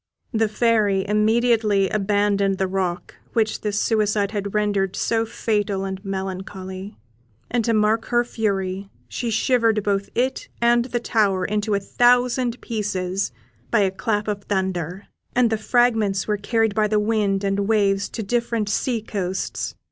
The Fairy immediately abandoned the rock which this suicide had rendered so fatal and melancholy; and to mark her fury, she shivered both it and the tower into a thousand pieces by a clap of thunder, and the fragments were carried by the wind and waves to different sea coasts.